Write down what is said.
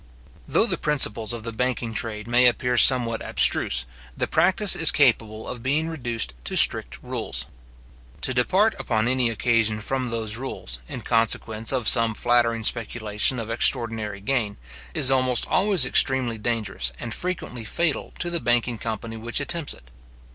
Though the principles of the banking trade may appear somewhat abstruse, the practice is capable of being reduced to strict rules. To depart upon any occasion from those rules, in consequence of some flattering speculation of extraordinary gain, is almost always extremely dangerous and frequently fatal to the banking company which attempts it.